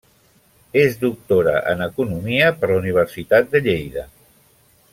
És doctora en economia per la Universitat de Lleida.